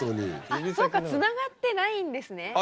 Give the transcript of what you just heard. あっそっかつながってないんですね。